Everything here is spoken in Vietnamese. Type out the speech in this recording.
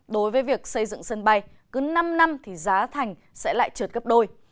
đối với việc xây dựng sân bay cứ năm năm thì giá thành sẽ lại trượt gấp đôi